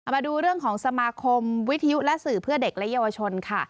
มาดูเรื่องของสมาคมวิทยุและสื่อเพื่อเด็กและเยาวชนค่ะ